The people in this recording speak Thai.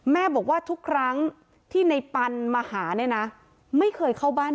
แม่บอกว่าทุกครั้งที่ในปันมาหาเนี่ยนะไม่เคยเข้าบ้าน